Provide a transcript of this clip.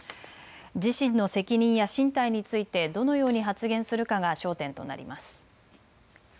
自身の責任や進退についてどのように発言するかが焦点となります。